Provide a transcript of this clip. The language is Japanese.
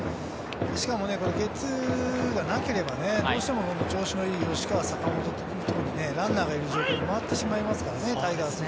しかもゲッツーがなければ、どうしても調子のいい吉川、坂本というところにランナーがいる状況で回ってしまいますからね。